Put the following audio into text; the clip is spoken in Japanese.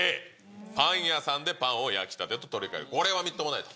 パン屋さんでパンを焼きたてと取り替える、これはみっともないと。